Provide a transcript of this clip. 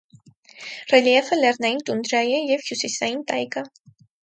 Ռելիեֆը լեռնային տունդրա է և հյուսիսային տայգա։